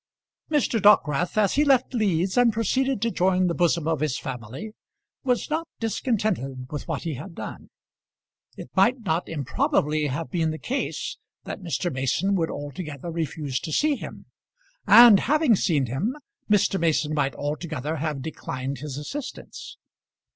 Mr. Dockwrath, as he left Leeds and proceeded to join the bosom of his family, was not discontented with what he had done. It might not improbably have been the case that Mr. Mason would altogether refuse to see him, and having seen him, Mr. Mason might altogether have declined his assistance.